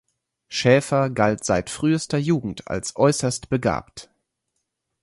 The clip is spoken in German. Schäfer galt seit frühester Jugend als äusserst begabt.